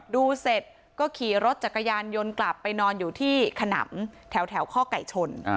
ดูเสร็จก็ขี่รถจักรยานยนต์กลับไปนอนอยู่ที่ขนำแถวข้อไก่ชน